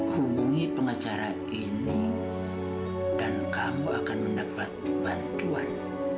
hubungi pengacara ini dan kamu akan mendapat bantuan